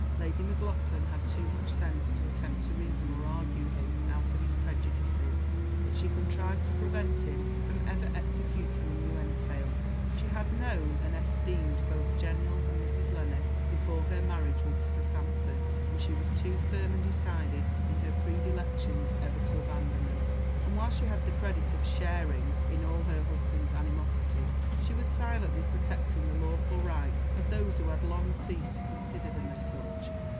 Lady Maclaughlan had too much sense to attempt to reason or argue him out of his prejudices, but she contrived to prevent him from ever executing a new entail. She had known and esteemed both General and Mrs. Lennox before her marriage with Sir Sampson, and she was too firm and decided in her predilections ever to abandon them; and while she had the credit of sharing in all her husband's animosity, she was silently protecting the lawful rights of those who had long ceased to consider them as such.